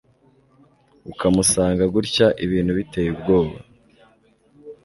ukamusanga gutya, ibintu biteye ubwoba